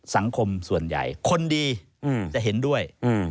สังคมส่วนใหญ่คนดีจะเห็นด้วย